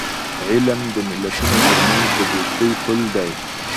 علم د ملتونو ترمنځ د دوستی پل دی.